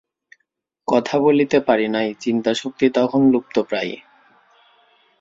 কথা বলিতে পারি নাই, চিন্তাশক্তি তখন লুপ্তপ্রায়।